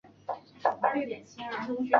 未恢复原职